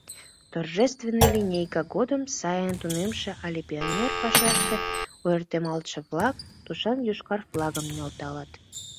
Торжественный линейка годым сайын тунемше але пионер пашаште ойыртемалтше-влак тушан йошкар флагым нӧлталыт.